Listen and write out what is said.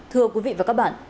thưa quý vị và các bạn